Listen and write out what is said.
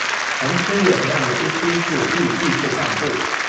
同时也培养了一批检疫技术干部。